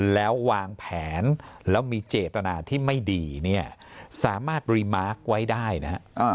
แล้ววางแผนแล้วมีเจตนาที่ไม่ดีเนี่ยสามารถรีมาร์คไว้ได้นะฮะ